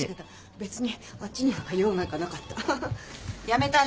別にあっちになんか用なんかなかった。